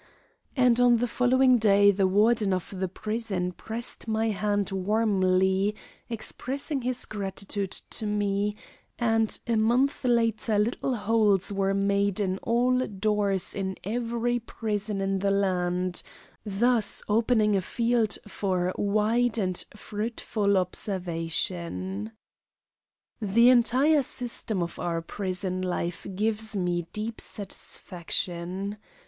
And on the following day the Warden of the prison pressed my hand warmly, expressing his gratitude to me, and a month later little holes were made in all doors in every prison in the land, thus opening a field for wide and fruitful observation. The entire system of our prison life gives me deep satisfaction.